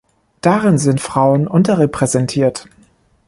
Darin sind Frauen unterrepräsentiert.